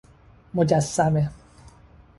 مجسمه